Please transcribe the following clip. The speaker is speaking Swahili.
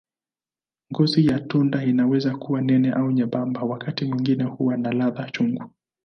Ngozi ya tunda inaweza kuwa nene au nyembamba, wakati mwingine huwa na ladha chungu.